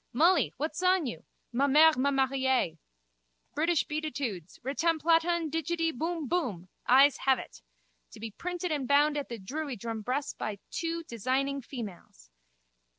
Mullee! What's on you? Ma mère m'a mariée. British Beatitudes! Retamplatan digidi boumboum. Ayes have it. To be printed and bound at the Druiddrum press by two designing females.